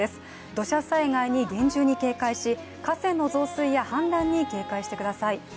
土砂災害に厳重に警戒し、河川の増水や氾濫に警戒してください。